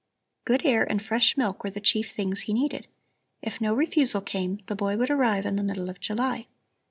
Good air and fresh milk were the chief things he needed. If no refusal came, the boy would arrive in the middle of July.